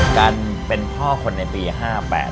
การเป็นพ่อคนในปี๕๘